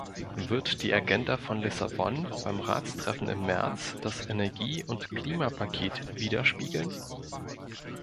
Wird die Agenda von Lissabon beim Ratstreffen im März das Energie- und Klimapaket widerspiegeln?